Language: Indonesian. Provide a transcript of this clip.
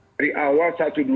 dari awal satu dua